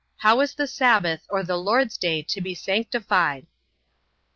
How is the sabbath or the Lord's day to be sanctified?